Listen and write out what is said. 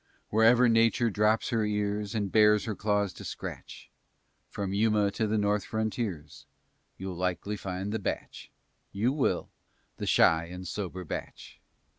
Wherever Nature drops her ears And bares her claws to scratch, From Yuma to the north frontiers, You'll likely find the bach', You will, The shy and sober bach'!